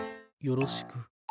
よろしく。